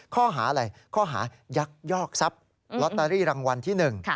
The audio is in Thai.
ข้อหาอะไรข้อหายักยอกทรัพย์ลอตเตอรี่รางวัลที่๑